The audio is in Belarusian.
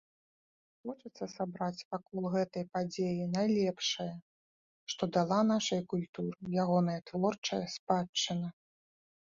Хочацца сабраць вакол гэтай падзеі найлепшае, што дала нашай культуры ягоная творчая спадчына.